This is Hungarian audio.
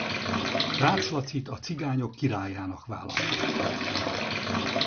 Rácz Lacit a cigányok királyának választották.